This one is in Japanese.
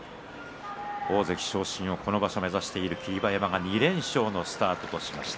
大関昇進をこの場所目指している霧馬山が２連勝スタートとしました。